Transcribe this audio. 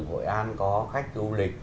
hội an có khách du lịch